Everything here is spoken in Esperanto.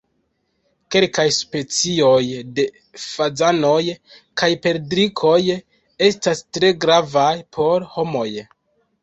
Kelkaj specioj de fazanoj kaj perdrikoj estas tre gravaj por homoj.